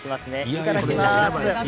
いただきます。